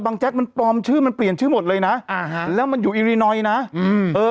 แจ๊กมันปลอมชื่อมันเปลี่ยนชื่อหมดเลยนะอ่าฮะแล้วมันอยู่อีรีนอยนะอืมเออ